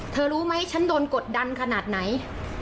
รู้ไหมฉันโดนกดดันขนาดไหน